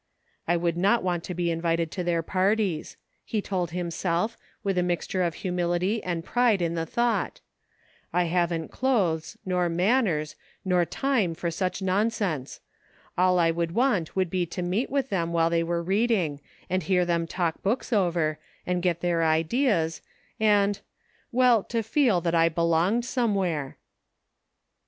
" I would not want to be invited to their par ties," he told himself, with a mixture of humility and pride in the thought ;*' I haven't clothes, nor manners, nor time for such nonsense ; all I would want would be to meet with them while they were reading, and hear them talk books over, and get their ideas, and — well, to feel J;hat I belonged somewhere."